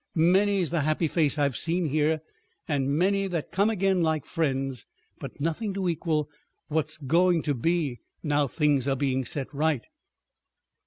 Many's the happy face I've seen here, and many that come again like friends, but nothing to equal what's going to be, now things are being set right."